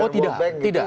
oh tidak tidak